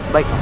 baik pak mah